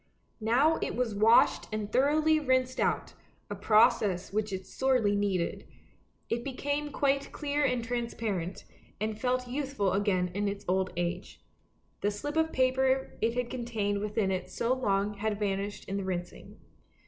" Now it was washed and thoroughly rinsed out, a process which it sorely needed; it became quite clear and transparent, and felt youthful again in its old age. The slip of paper it had contained within it so long had vanished in the rinsing.